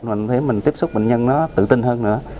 mình thấy mình tiếp xúc bệnh nhân nó tự tin hơn nữa